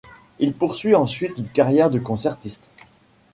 Il poursuit ensuite une carrière de concertiste.